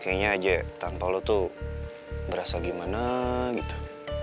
kayaknya aja tanpa lo tuh berasa gimana gitu